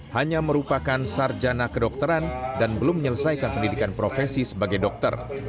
hanya merupakan sarjana kedokteran dan belum menyelesaikan pendidikan profesi sebagai dokter